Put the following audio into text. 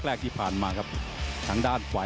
หรือทองหมอเมืองคนดีครับที่เวทีมวยราชดำเนินครับ